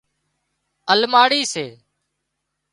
الماڙِي سي